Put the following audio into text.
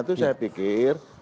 oleh karena itu saya pikir